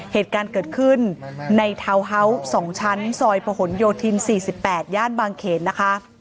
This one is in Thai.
เหตุการณ์เกิดขึ้นในทาวน์ฮาส์๒ชั้นซอยประหลโยธิน๔๘ย่านบางเขนนะคะ